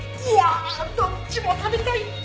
うわどっちも食べたい！